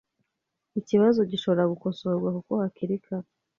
ikibazo gishobora gukosorwa kuko hakiri kare.